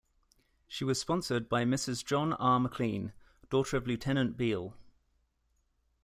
She was sponsored by Mrs. John R. McLean, daughter of Lieutenant Beale.